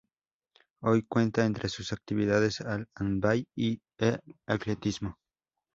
Hoy cuenta entre sus actividades al handball y al atletismo.